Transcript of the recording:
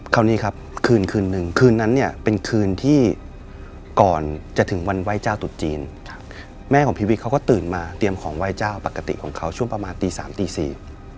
คราวนี้ครับคืนคืนนึงคืนนั้นเนี่ยเป็นคืนที่ก่อนจะถึงวันไหว้เจ้าตุดจีนครับแม่ของพีวิทเขาก็ตื่นมาเตรียมของไหว้เจ้าปกติของเขาช่วงประมาณตีสามตีสี่